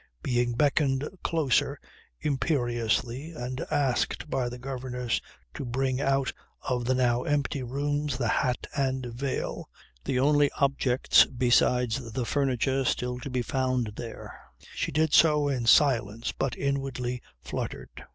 Being beckoned closer imperiously and asked by the governess to bring out of the now empty rooms the hat and veil, the only objects besides the furniture still to be found there, she did so in silence but inwardly fluttered.